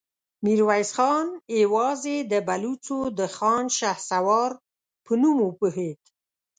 ميرويس خان يواځې د بلوڅو د خان شهسوار په نوم وپوهېد.